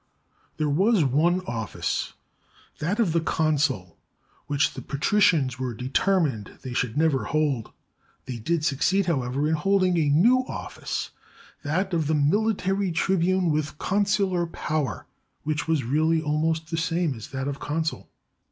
There was one office, that of consul, which the patricians were determined they should never hold. They did suc ceed, however, in holding a new office, that of "military tribune with consular power," which was really almost the same as that of consul.